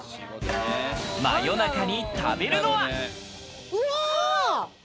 夜中に食べるのは？